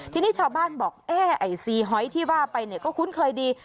ทีนี้ชาวบ้านบอกเอ๊ะไอ้ซีหอยที่ว่าไปเนี่ยก็คุ้นเคยดี